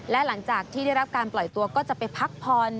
และหลังจากที่ได้รับการปล่อยตัวก็จะไปพักผ่อน